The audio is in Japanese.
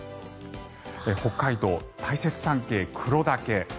北海道・大雪山系、黒岳。